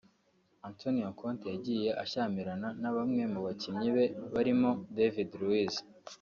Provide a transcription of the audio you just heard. Antonio Conte yagiye ashyamirana na bamwe mu bakinnyi be barimo David Luiz